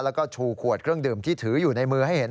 แล้วก็ชูขวดเครื่องดื่มที่ถืออยู่ในมือให้เห็น